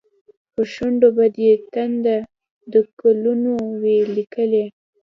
پر شونډو به دې تنده، د کلونو وي لیکلې